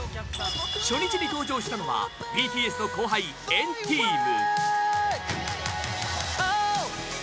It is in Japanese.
初日に登場したのはＢＴＳの後輩、＆ＴＥＡＭ。